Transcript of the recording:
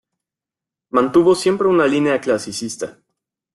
Mantuvo siempre una línea clasicista.